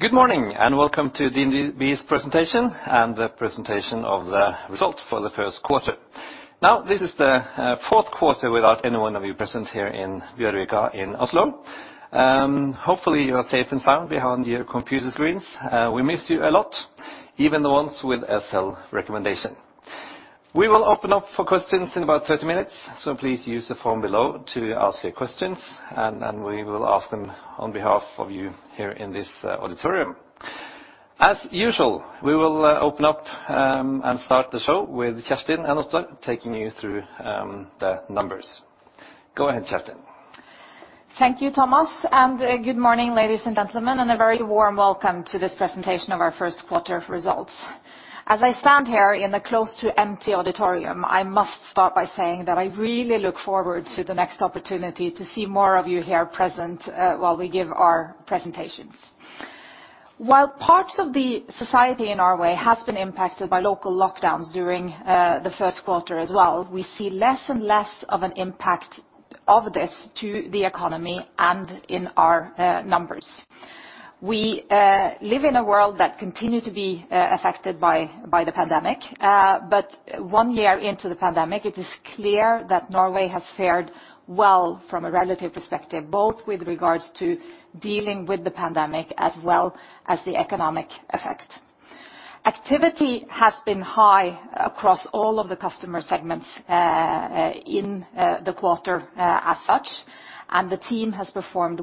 Good morning, welcome to DNB's presentation and the presentation of the results for Q1. Now, this is Q4 without any one of you present here in Bjørvika in Oslo. Hopefully, you are safe and sound behind your computer screens. We miss you a lot, even the ones with a sell recommendation. We will open up for questions in about 30 minutes, so please use the form below to ask your questions, and we will ask them on behalf of you here in this auditorium. As usual, we will open up and start the show with Kjerstin and Ottar taking you through the numbers. Go ahead, Kjerstin. Thank you, Thomas, and good morning, ladies and gentlemen, and a very warm welcome to this presentation of our Q1 results. As I stand here in a close to empty auditorium, I must start by saying that I really look forward to the next opportunity to see more of you here present while we give our presentations. While parts of the society in our way has been impacted by local lockdowns during the first quarter as well, we see less and less of an impact of this to the economy and in our numbers. We live in a world that continue to be affected by the pandemic, but one year into the pandemic, it is clear that Norway has fared well from a relative perspective, both with regards to dealing with the pandemic as well as the economic effect. Activity has been high across all of the customer segments in the quarter as such, and the team has performed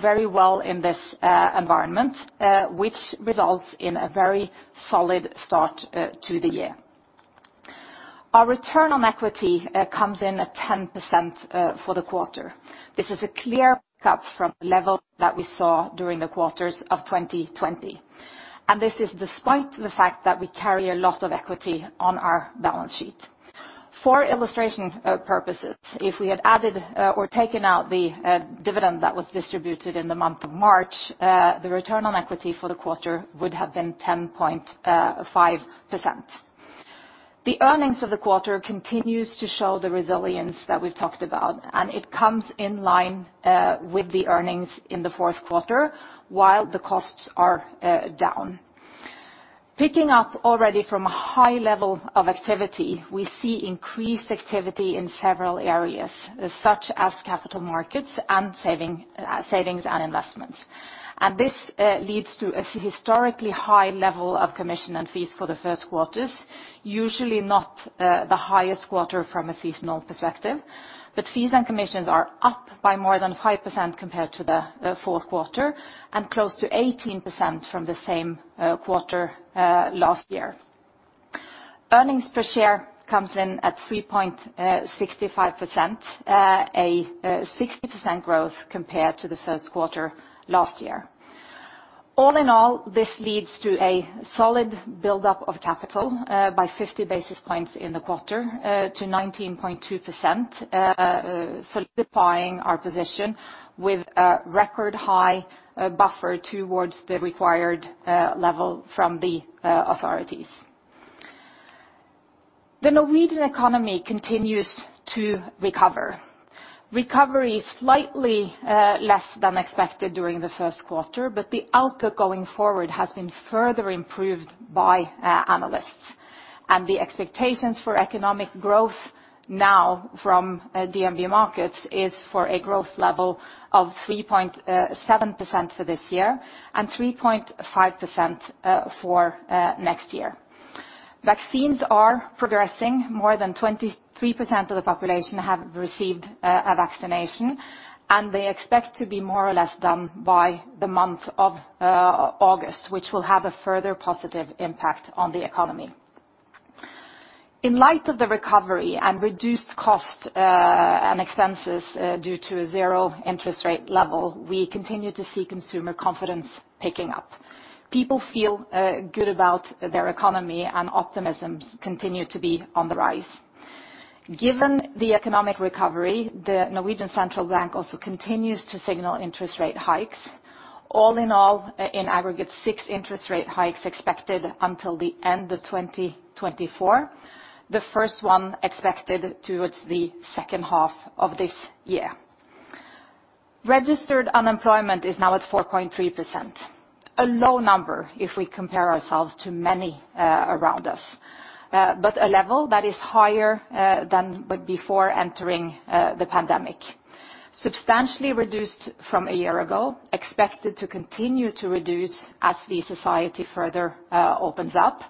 very well in this environment, which results in a very solid start to the year. Our return on equity comes in at 10% for the quarter. This is a clear pick up from level that we saw during the quarters of 2020, and this is despite the fact that we carry a lot of equity on our balance sheet. For illustration purposes, if we had added or taken out the dividend that was distributed in the month of March, the return on equity for the quarter would have been 10.5%. The earnings of the quarter continues to show the resilience that we've talked about, and it comes in line with the earnings in the fourth quarter, while the costs are down. Picking up already from a high level of activity, we see increased activity in several areas, such as capital markets and savings and investments. This leads to a historically high level of commission and fees for Q1, usually not the highest quarter from a seasonal perspective, but fees and commissions are up by more than 5% compared to Q4 and close to 18% from the same quarter last year. Earnings per share comes in at 3.65%, a 16% growth compared to Q1 last year. All in all, this leads to a solid buildup of capital by 50 basis points in the quarter to 19.2%, solidifying our position with a record high buffer towards the required level from the authorities. The Norwegian economy continues to recover. Recovery slightly less than expected during Q1, the output going forward has been further improved by analysts. The expectations for economic growth now from DNB Markets is for a growth level of 3.7% for this year and 3.5% for next year. Vaccines are progressing. More than 23% of the population have received a vaccination, and they expect to be more or less done by the month of August, which will have a further positive impact on the economy. In light of the recovery and reduced cost and expenses due to a zero interest rate level, we continue to see consumer confidence picking up. People feel good about their economy and optimisms continue to be on the rise. Given the economic recovery, Norges Bank also continues to signal interest rate hikes. All in all, in aggregate, 6 interest rate hikes expected until the end of 2024. The first one expected towards the second half of this year. Registered unemployment is now at 4.3%, a low number if we compare ourselves to many around us, but a level that is higher than before entering the pandemic. Substantially reduced from a year ago, expected to continue to reduce as the society further opens up.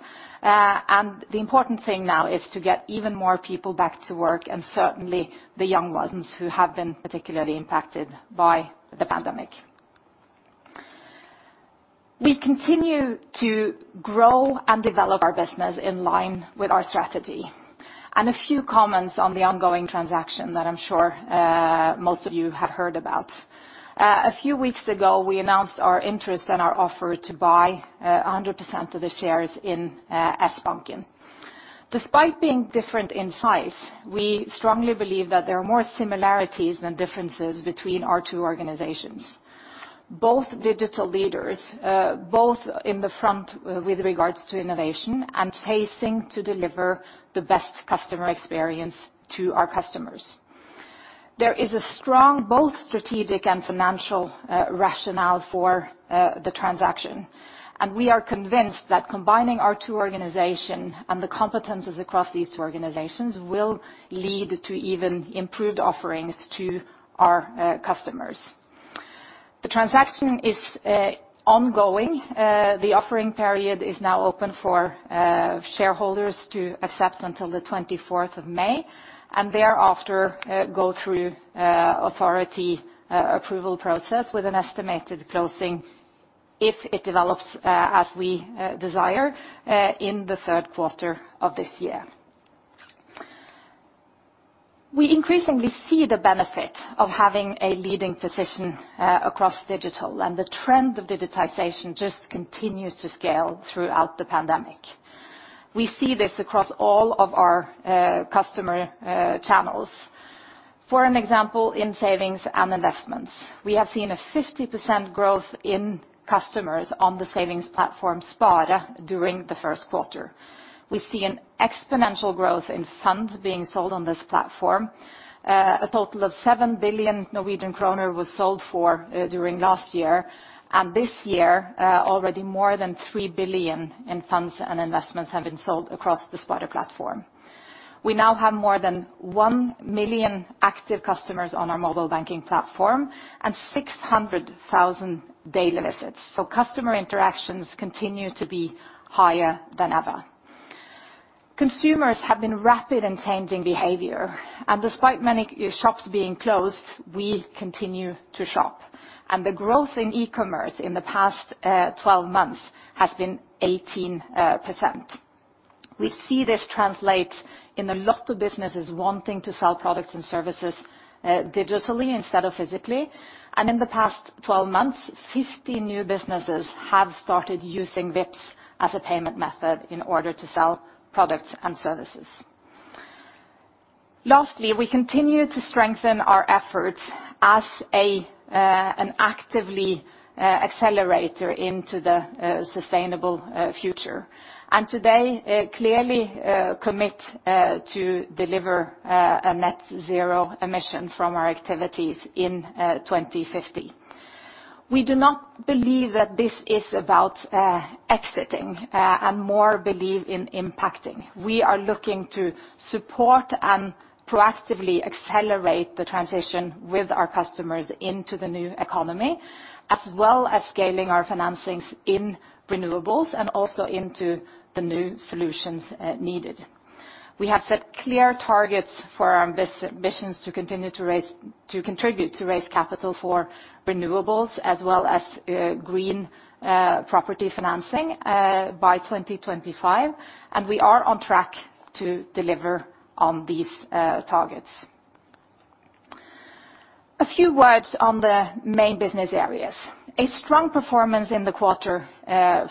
The important thing now is to get even more people back to work, and certainly the young ones who have been particularly impacted by the pandemic. We continue to grow and develop our business in line with our strategy. A few comments on the ongoing transaction that I'm sure most of you have heard about. A few weeks ago, we announced our interest and our offer to buy 100% of the shares in Sbanken. Despite being different in size, we strongly believe that there are more similarities than differences between our two organizations. Both digital leaders, both in the front with regards to innovation and chasing to deliver the best customer experience to our customers. There is a strong, both strategic and financial, rationale for the transaction. We are convinced that combining our two organization and the competencies across these two organizations will lead to even improved offerings to our customers. The transaction is ongoing. The offering period is now open for shareholders to accept until the 24th of May, and thereafter, go through authority approval process with an estimated closing, if it develops as we desire, in the third quarter of this year. We increasingly see the benefit of having a leading position across digital, and the trend of digitization just continues to scale throughout the pandemic. We see this across all of our customer channels. For example, in savings and investments. We have seen a 50% growth in customers on the savings platform, Spare, during Q1. We see an exponential growth in funds being sold on this platform. A total of 7 billion Norwegian kroner was sold during last year, and this year, already more than 3 billion in funds and investments have been sold across the Spare platform. We now have more than 1 million active customers on our mobile banking platform, and 600,000 daily visits. Customer interactions continue to be higher than ever. Consumers have been rapid in changing behavior, and despite many shops being closed, we continue to shop, and the growth in e-commerce in the past 12 months has been 18%. We see this translate in a lot of businesses wanting to sell products and services digitally instead of physically. In the past 12 months, 50 new businesses have started using Vipps as a payment method in order to sell products and services. Lastly, we continue to strengthen our efforts as an actively accelerator into the sustainable future. Today, clearly commit to deliver a net zero emission from our activities in 2050. We do not believe that this is about exiting, and more believe in impacting. We are looking to support and proactively accelerate the transition with our customers into the new economy, as well as scaling our financings in renewables, and also into the new solutions needed. We have set clear targets for our ambitions to continue to contribute to raise capital for renewables, as well as green property financing by 2025, and we are on track to deliver on these targets. A few words on the main business areas. A strong performance in the quarter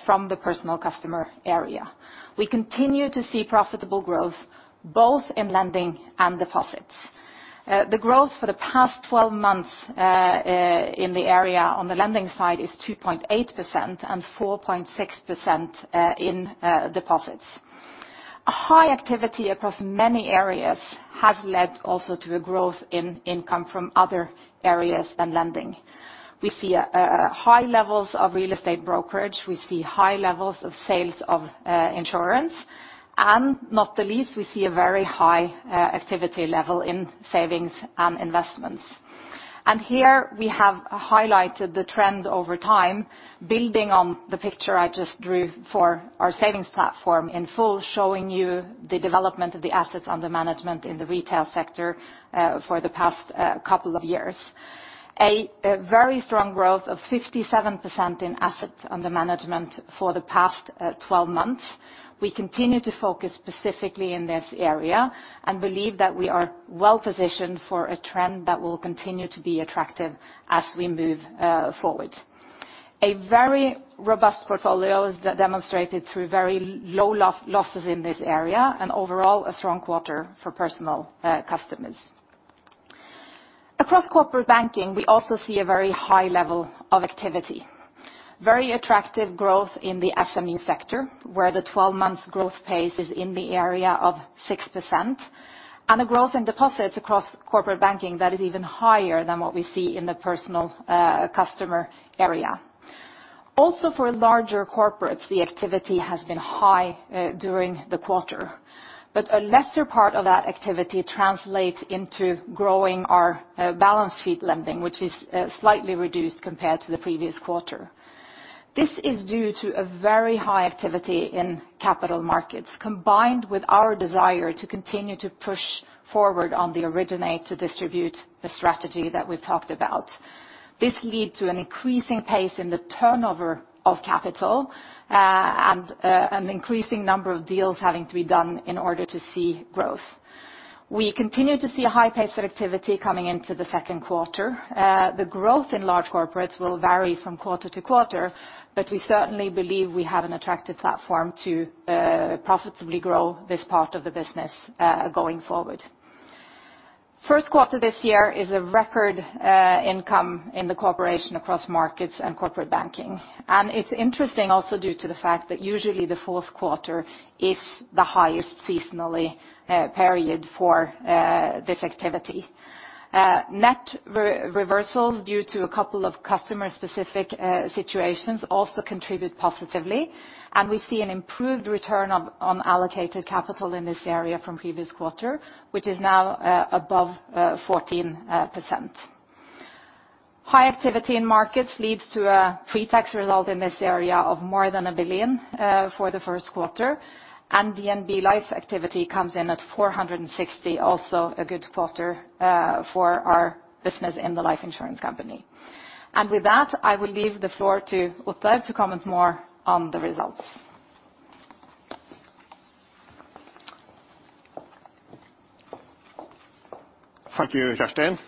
from the personal customer area. We continue to see profitable growth both in lending and deposits. The growth for the past 12 months in the area on the lending side is 2.8%, and 4.6% in deposits. A high activity across many areas has led also to a growth in income from other areas than lending. We see high levels of real estate brokerage. We see high levels of sales of insurance, and not the least, we see a very high activity level in savings and investments. Here we have highlighted the trend over time, building on the picture I just drew for our savings platform in full, showing you the development of the assets under management in the retail sector for the past couple of years. A very strong growth of 57% in assets under management for the past 12 months. We continue to focus specifically in this area and believe that we are well-positioned for a trend that will continue to be attractive as we move forward. A very robust portfolio is demonstrated through very low losses in this area, and overall, a strong quarter for personal customers. Across corporate banking, we also see a very high level of activity. Very attractive growth in the SME sector, where the 12 months growth pace is in the area of 6%, and a growth in deposits across corporate banking that is even higher than what we see in the personal customer area. Also for larger corporates, the activity has been high during the quarter, but a lesser part of that activity translates into growing our balance sheet lending, which is slightly reduced compared to the previous quarter. This is due to a very high activity in capital markets, combined with our desire to continue to push forward on the originate-to-distribute the strategy that we've talked about. This led to an increasing pace in the turnover of capital, and an increasing number of deals having to be done in order to see growth. We continue to see a high pace of activity coming into the second quarter. The growth in large corporates will vary from quarter to quarter, but we certainly believe we have an attractive platform to profitably grow this part of the business going forward. Q1 this year is a record income in the corporation across markets and corporate banking. It's interesting also due to the fact that usually, Q4 is the highest seasonally period for this activity. Net reversals due to a couple of customer-specific situations also contribute positively, and we see an improved return on allocated capital in this area from previous quarter, which is now above 14%. High activity in markets leads to a pre-tax result in this area of more than 1 billion for Q1, and DNB Life activity comes in at 460. Also, a good quarter for our business in the life insurance company. With that, I will leave the floor to Ottar to comment more on the results. Thank you, Kjerstin,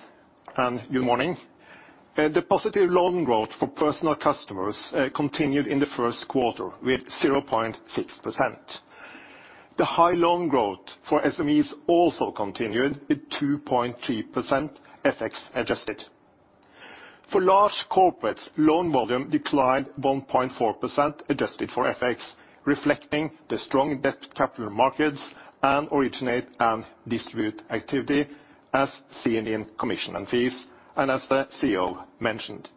and good morning. The positive loan growth for personal customers continued in Q1 with 0.6%. The high loan growth for SMEs also continued with 2.3% FX adjusted. For large corporates, loan volume declined 1.4% adjusted for FX, reflecting the strong debt capital markets and originate-to-distribute activity as seen in commission and fees, and as the CEO mentioned.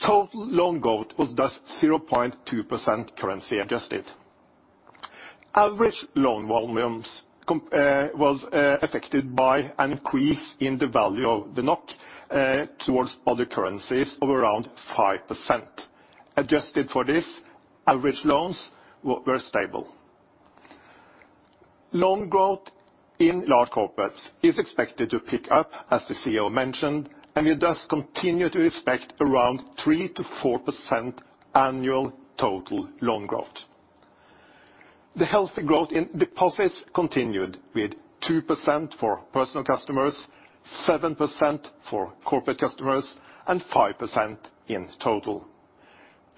Total loan growth was thus 0.2% currency adjusted. Average loan volumes was affected by an increase in the value of the NOK towards other currencies of around 5%. Adjusted for this, average loans were stable. Loan growth in large corporates is expected to pick up, as the CEO mentioned. We thus continue to expect around 3%-4% annual total loan growth. The healthy growth in deposits continued with 2% for personal customers, 7% for corporate customers, and 5% in total.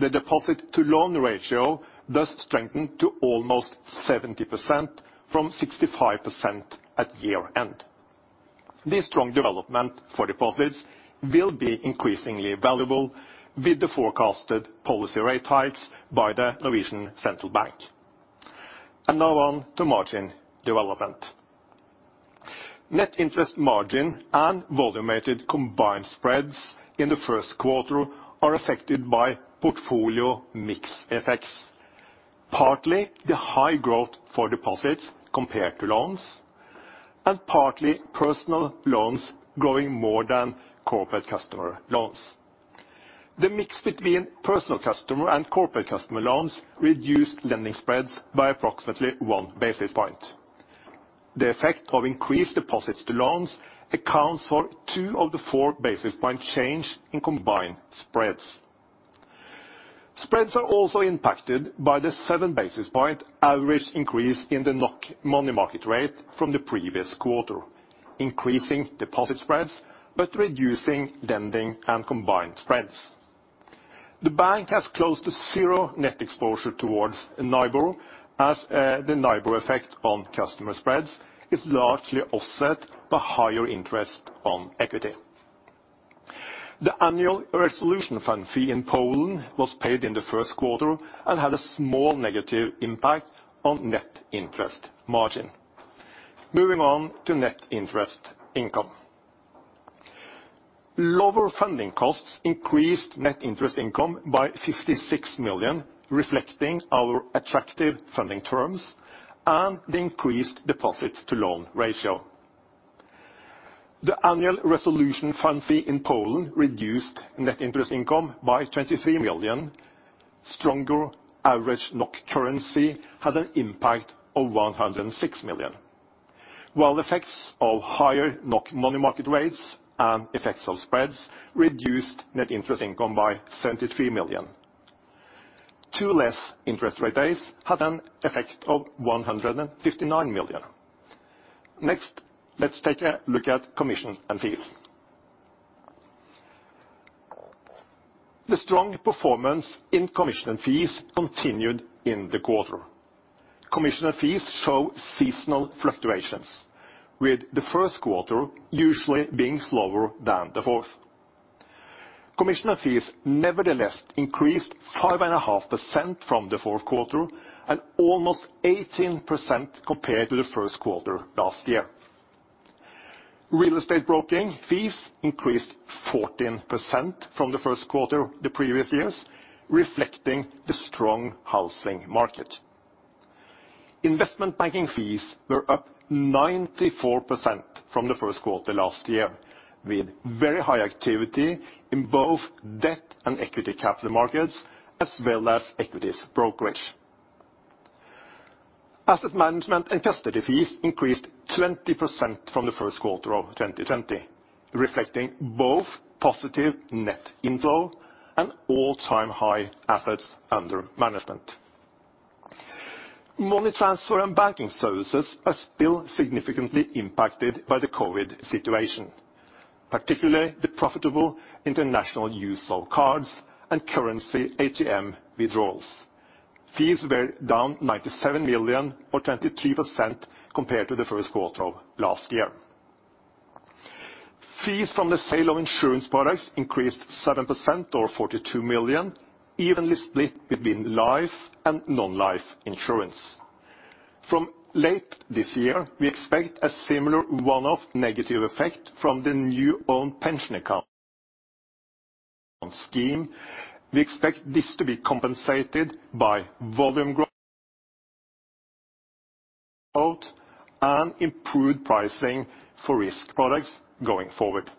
The deposit to loan ratio thus strengthened to almost 70% from 65% at year-end. This strong development for deposits will be increasingly valuable with the forecasted policy rate hikes by Norges Bank. Now on to margin development. Net interest margin and volume-weighted combined spreads in the first quarter are affected by portfolio mix effects. Partly, the high growth for deposits compared to loans, and partly personal loans growing more than corporate customer loans. The mix between personal customer and corporate customer loans reduced lending spreads by approximately one basis point. The effect of increased deposits to loans accounts for two of the four basis point change in combined spreads. Spreads are also impacted by the seven basis point average increase in the NOK money market rate from the previous quarter, increasing deposit spreads, but reducing lending and combined spreads. The bank has close to zero net exposure towards NIBOR as the NIBOR effect on customer spreads is largely offset by higher interest on equity. The annual resolution fund fee in Poland was paid in the first quarter and had a small negative impact on net interest margin. Moving on to net interest income. Lower funding costs increased net interest income by 56 million, reflecting our attractive funding terms and the increased deposit to loan ratio. The annual resolution fund fee in Poland reduced net interest income by 23 million. Stronger average NOK currency had an impact of 106 million. Effects of higher NOK money market rates and effects of spreads reduced net interest income by 73 million. Two less interest rate days had an effect of 159 million. Next, let's take a look at commission and fees. The strong performance in commission and fees continued in the quarter. Commission and fees show seasonal fluctuations, with Q1 usually being slower than the fourth. Commission and fees nevertheless increased 5.5% from Q4, and almost 18% compared to Q1 last year. Real estate broking fees increased 14% from Q1 the previous years, reflecting the strong housing market. Investment banking fees were up 94% from Q1 last year, with very high activity in both debt and equity capital markets, as well as equities brokerage. Asset management and custody fees increased 20% from Q1 of 2020, reflecting both positive net inflow and all-time high assets under management. Money transfer and banking services are still significantly impacted by the COVID situation, particularly the profitable international use of cards and currency ATM withdrawals. Fees were down 97 million or 23% compared to Q1 of last year. Fees from the sale of insurance products increased 7% or 42 million, evenly split between life and non-life insurance. From late this year, we expect a similar one-off negative effect from the new own pension account scheme. We expect this to be compensated by volume growth and improved pricing for risk products going forward.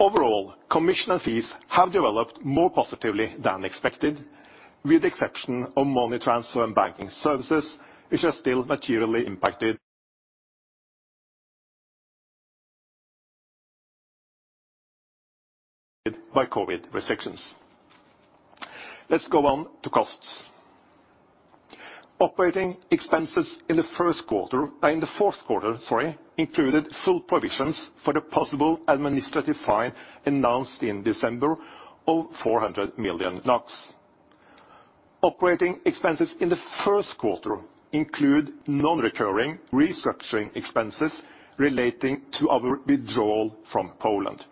Overall, commission and fees have developed more positively than expected, with the exception of money transfer and banking services, which are still materially impacted by COVID restrictions. Let's go on to costs. Operating expenses in Q4, included full provisions for the possible administrative fine announced in December of 400 million NOK. Operating expenses in Q1 include non-recurring restructuring expenses relating to our withdrawal from Poland.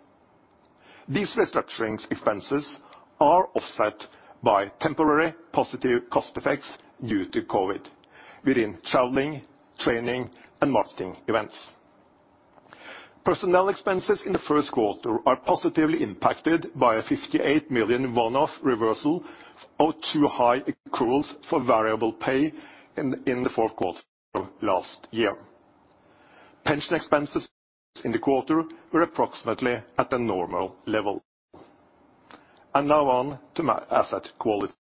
These restructuring expenses are offset by temporary positive cost effects due to COVID within traveling, training, and marketing events. Personnel expenses in Q1 are positively impacted by a 58 million one-off reversal of two high accruals for variable pay in Q4 of last year. Pension expenses in the quarter were approximately at a normal level. Now on to asset quality.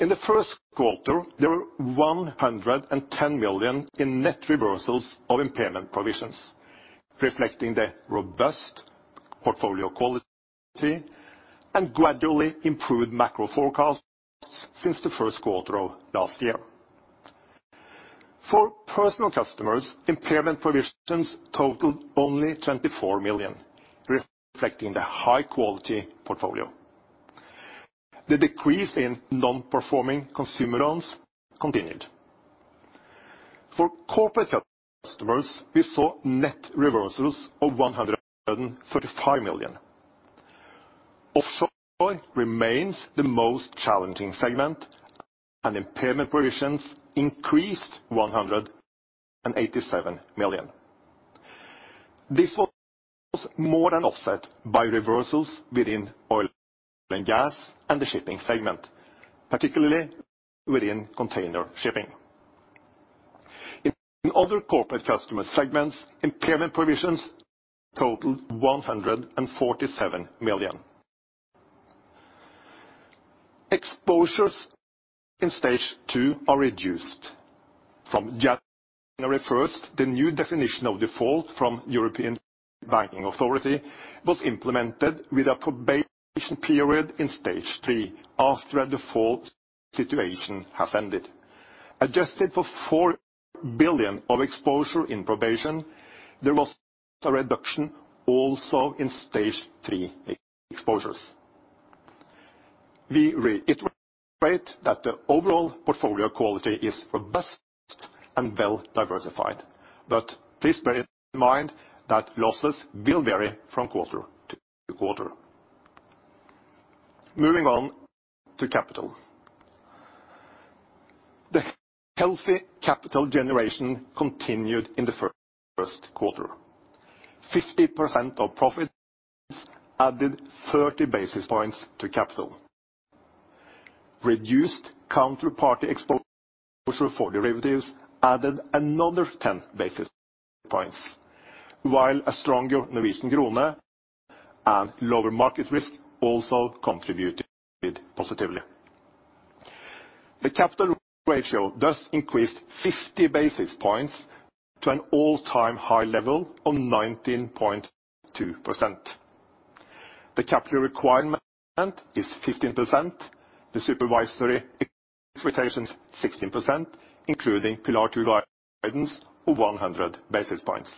In the first quarter, there were 110 million in net reversals of impairment provisions, reflecting the robust portfolio quality and gradually improved macro forecasts since the first quarter of last year. For personal customers, impairment provisions totaled only 24 million, reflecting the high quality portfolio. The decrease in non-performing consumer loans continued. For corporate customers, we saw net reversals of 135 million. Offshore remains the most challenging segment. Impairment provisions increased 187 million. This was more than offset by reversals within oil and gas and the shipping segment, particularly within container shipping. In other corporate customer segments, impairment provisions totaled NOK 147 million. Exposures in stage 2 are reduced. From January 1st, the new definition of default from European Banking Authority was implemented with a probation period in stage 3, after a default situation has ended. Adjusted for 4 billion of exposure in probation, there was a reduction also in stage 3 exposures. We reiterate that the overall portfolio quality is robust and well diversified. Please bear in mind that losses will vary from quarter to quarter. Moving on to capital. The healthy capital generation continued in Q1. 50% of profits added 30 basis points to capital. Reduced counterparty exposure for derivatives added another 10 basis points, while a stronger Norwegian krone and lower market risk also contributed positively. The capital ratio thus increased 50 basis points to an all-time high level of 19.2%. The capital requirement is 15%, the supervisory expectation is 16%, including Pillar 2 guidance of 100 basis points.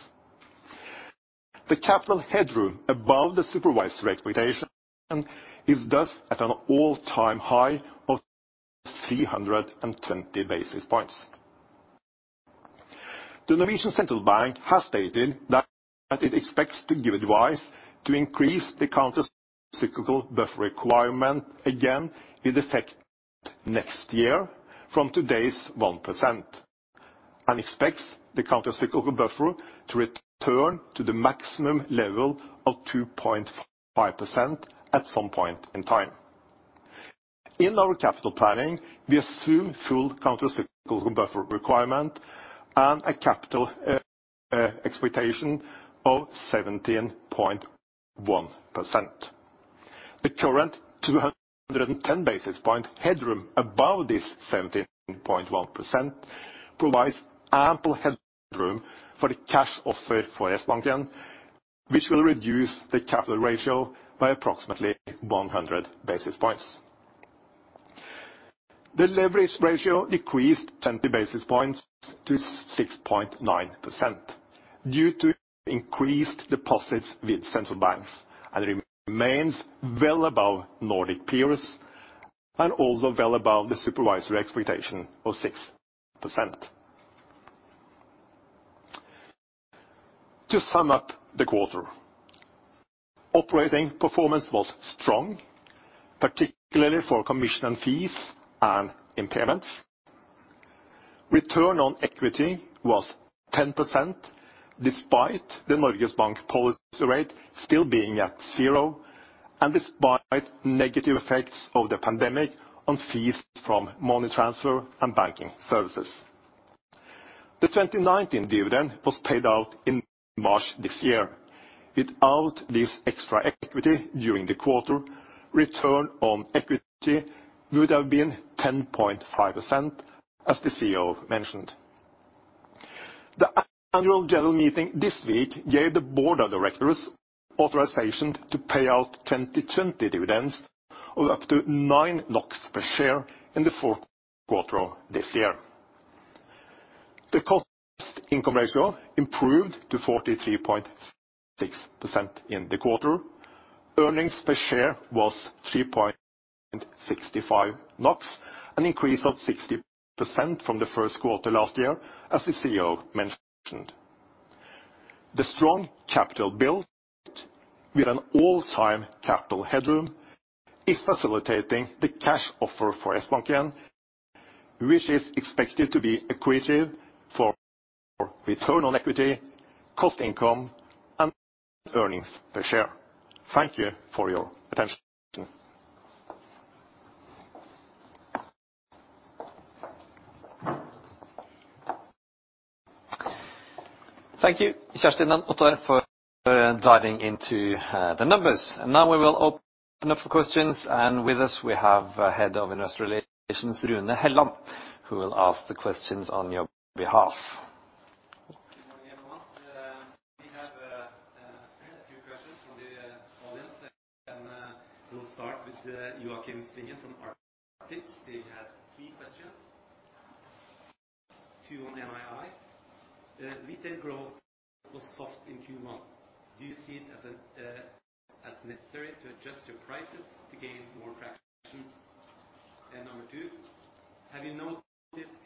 The capital headroom above the supervisory expectation is thus at an all-time high of 320 basis points. The Norwegian Central Bank has stated that it expects to give advice to increase the countercyclical buffer requirement again in effect next year from today's 1%, and expects the countercyclical buffer to return to the maximum level of 2.5% at some point in time. In our capital planning, we assume full countercyclical buffer requirement and a capital expectation of 17.1%. The current 210 basis point headroom above this 17.1% provides ample headroom for the cash offer for Sbanken, which will reduce the capital ratio by approximately 100 basis points. The leverage ratio decreased 20 basis points to 6.9% due to increased deposits with central banks and remains well above Nordic peers and also well above the supervisory expectation of 6%. To sum up the quarter, operating performance was strong, particularly for commission and fees and impairments. Return on equity was 10%, despite the Norges Bank policy rate still being at zero, and despite negative effects of the pandemic on fees from money transfer and banking services. The 2019 dividend was paid out in March this year. Without this extra equity during the quarter, return on equity would have been 10.5%, as the CEO mentioned. The annual general meeting this week gave the board of directors authorization to pay out 2020 dividends of up to nine NOK per share in Q4 this year. The cost-income ratio improved to 43.6% in the quarter. Earnings per share was 3.65 NOK, an increase of 60% from Q1 last year, as the CEO mentioned. The strong capital build, with an all-time capital headroom, is facilitating the cash offer for Sbanken, which is expected to be accretive for return on equity, cost-income, and earnings per share. Thank you for your attention. Thank you, Kjerstin and Ottar, for diving into the numbers. Now we will open up for questions. With us, we have Head of Investor Relations, Rune Helland, who will ask the questions on your behalf. Good morning, everyone. We have a few questions from the audience. We'll start with Joakim Svingen from Arctic Securities. He had three questions, two on NII. Retail growth was soft in Q1. Do you see it as necessary to adjust your prices to gain more traction? Number two, Have you noticed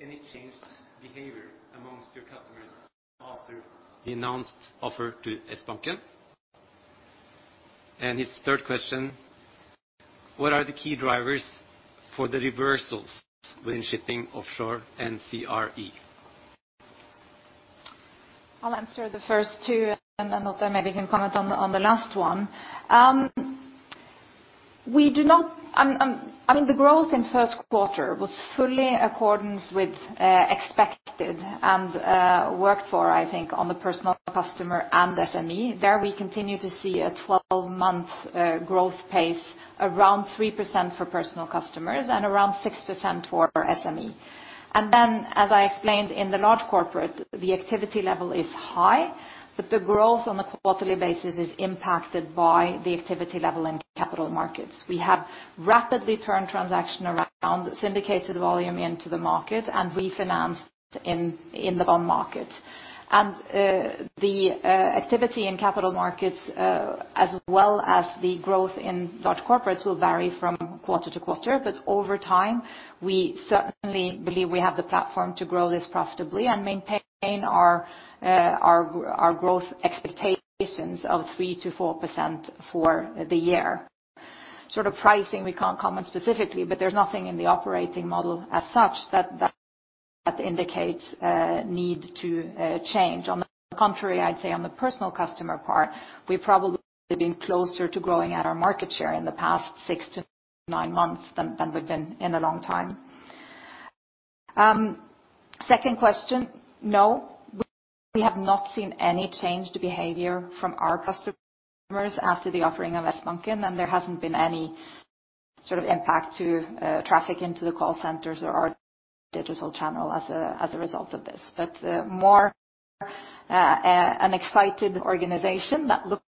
any changed behavior amongst your customers after the announced offer to Sbanken? His third question, What are the key drivers for the reversals when shipping offshore and CRE? I'll answer the first two, then Ottar maybe can comment on the last one. The growth in Q1 was fully in accordance with expected and worked for, I think, on the personal customer and SME. There we continue to see a 12-month growth pace around 3% for personal customers and around 6% for SME. As I explained, in the large corporate, the activity level is high, but the growth on a quarterly basis is impacted by the activity level in capital markets. We have rapidly turned transaction around, syndicated volume into the market, and refinanced in the bond market. The activity in capital markets, as well as the growth in large corporates, will vary from quarter to quarter. Over time, we certainly believe we have the platform to grow this profitably and maintain our growth expectations of 3%-4% for the year. Pricing we can't comment specifically, but there's nothing in the operating model as such that indicates a need to change. On the contrary, I'd say on the personal customer part, we've probably been closer to growing at our market share in the past six to nine months than we've been in a long time. Second question, no, we have not seen any changed behavior from our customers after the offering of Sbanken, and there hasn't been any impact to traffic into the call centers or our digital channel as a result of this. More an excited organization that looks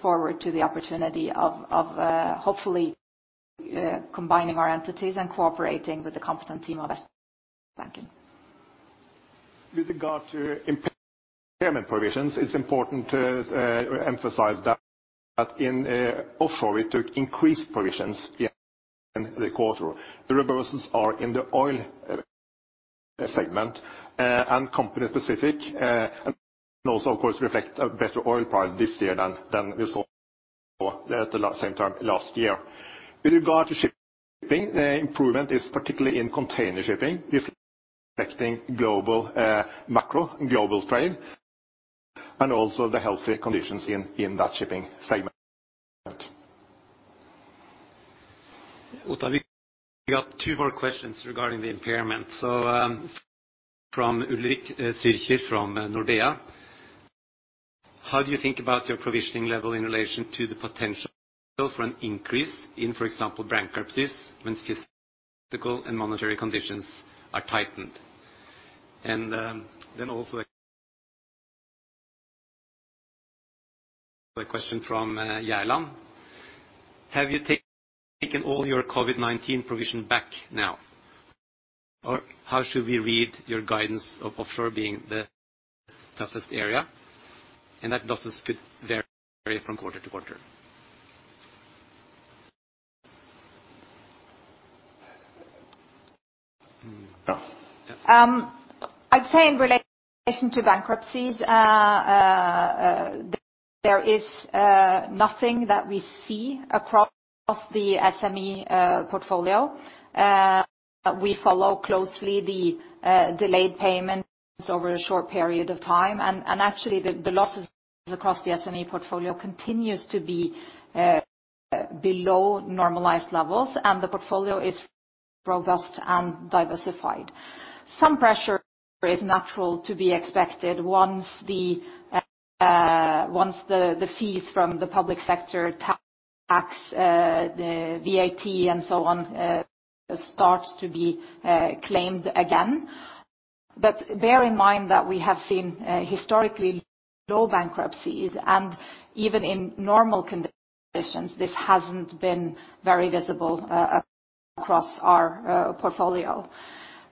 forward to the opportunity of hopefully combining our entities and cooperating with the competent team of Sbanken. With regard to impairment provisions, it's important to emphasize that in offshore, we took increased provisions in the quarter. The reversals are in the oil segment and company specific, and also, of course, reflect a better oil price this year than we saw at the same time last year. With regard to shipping, improvement is particularly in container shipping, reflecting macro global trade and also the healthy conditions in that shipping segment. Ottar Ertzeid, we got two more questions regarding the impairment. From Ulrik Årdal Zürcher from Nordea. How do you think about your provisioning level in relation to the potential for an increase in, for example, bankruptcies when fiscal and monetary conditions are tightened? A question from Jan Erik Gjerland. Have you taken all your COVID-19 provision back now? Or how should we read your guidance of offshore being the toughest area and that losses could vary from quarter to quarter? I'd say in relation to bankruptcies, there is nothing that we see across the SME portfolio. We follow closely the delayed payments over a short period of time, and actually, the losses across the SME portfolio continues to be below normalized levels, and the portfolio is robust and diversified. Some pressure is natural to be expected once the fees from the public sector tax, the VAT, and so on, starts to be claimed again. Bear in mind that we have seen historically low bankruptcies, and even in normal conditions, this hasn't been very visible across our portfolio.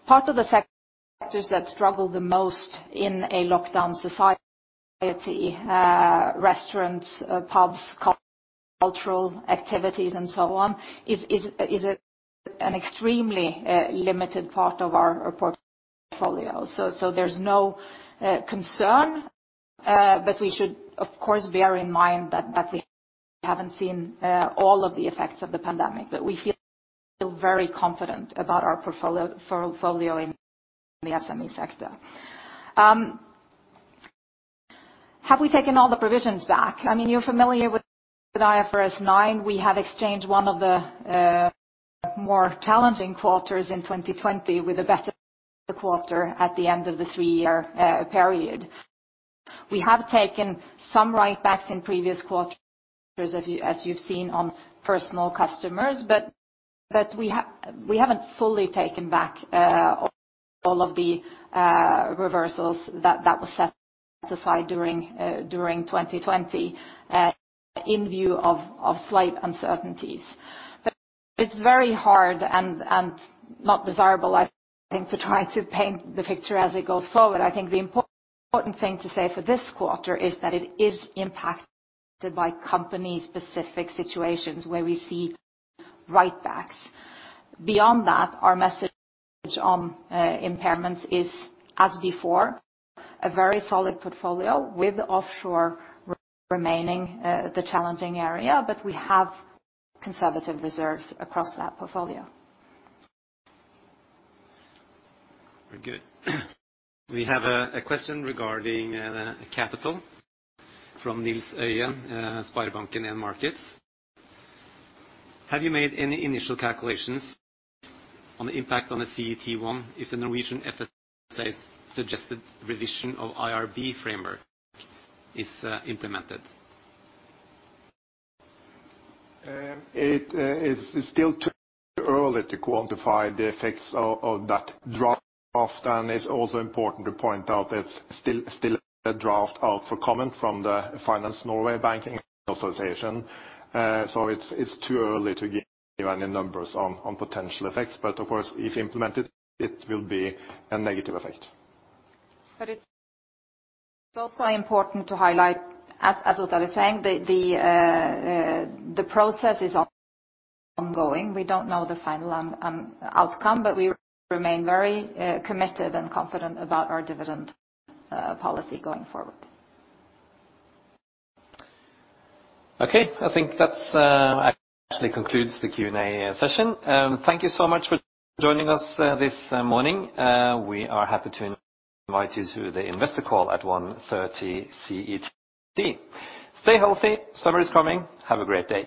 Part of the sectors that struggle the most in a lockdown society, restaurants, pubs, cultural activities, and so on, is an extremely limited part of our portfolio. There's no concern, but we should, of course, bear in mind that we haven't seen all of the effects of the pandemic. We feel very confident about our portfolio in the SME sector. Have we taken all the provisions back? You're familiar with IFRS 9. We have exchanged one of the more challenging quarters in 2020 with a better quarter at the end of the three-year period. We have taken some write backs in previous quarters, as you've seen on personal customers, but we haven't fully taken back all of the reversals that was set aside during 2020 in view of slight uncertainties. It's very hard and not desirable, I think, to try to paint the picture as it goes forward. I think the important thing to say for this quarter is that it is impacted by company specific situations where we see write backs. Our message on impairments is, as before, a very solid portfolio with offshore remaining the challenging area, but we have conservative reserves across that portfolio. Very good. We have a question regarding capital from Nils Christian Øyen, SpareBank 1 Markets. Have you made any initial calculations on the impact on the CET1 if the Norwegian FSA's suggested revision of IRB framework is implemented? It is still too early to quantify the effects of that draft, and it's also important to point out it's still a draft out for comment from the Finance Norway banking association. It's too early to give any numbers on potential effects. Of course, if implemented, it will be a negative effect. It's also important to highlight, as Ottar is saying, the process is ongoing. We don't know the final outcome, but we remain very committed and confident about our dividend policy going forward. Okay. I think that actually concludes the Q&A session. Thank you so much for joining us this morning. We are happy to invite you to the investor call at 1:30 P.M. CET. Stay healthy. Summer is coming. Have a great day.